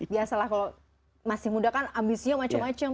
biasalah kalau masih muda kan ambisinya macam macam